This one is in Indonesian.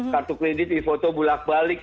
kartu kredit di foto bulat balik